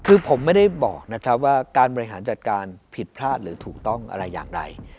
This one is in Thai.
คือผมไม่ได้บอกนะครับว่าการบริหารจัดการผิดพลาดหรือถูกต้องอะไรอย่างไร